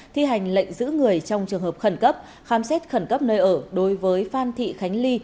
thi hành lệnh giữ người trong trường hợp khẩn cấp khám xét khẩn cấp nơi ở đối với phan thị khánh ly